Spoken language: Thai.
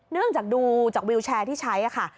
จากดูจากวิวแชร์ที่ใช้ค่ะ